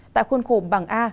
tại khuôn khổ bảng a